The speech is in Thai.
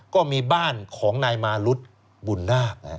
ก็มีบ้านของนายมารุธบุญนาค